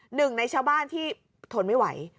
หนึ่งในชาวบ้านที่ทนไม่ไหว